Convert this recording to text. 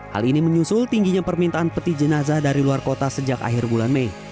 hal ini menyusul tingginya permintaan peti jenazah dari luar kota sejak akhir bulan mei